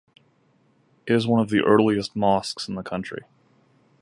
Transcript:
It is one of the earliest mosques in the country.